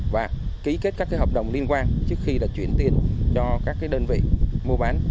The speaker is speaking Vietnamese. và ký kết các hợp đồng liên quan trước khi là chuyển tiền cho các đơn vị mua bán